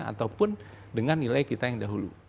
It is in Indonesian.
ataupun dengan nilai kita yang dahulu